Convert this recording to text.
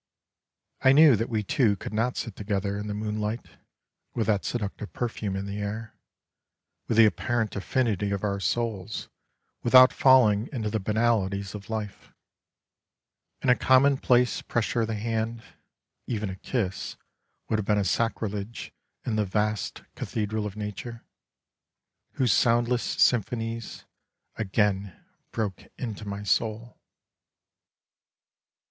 I knew that we two could not sit together in the moon light, with that seductive perfume in the air, with the apparent affinity of our souls, without falling into the banalities of life; and a commonplace pressure of the hand, even a kiss would have been a sacrilege in the vast cathe dral of nature, whose soundless symphonies again broke into my soul.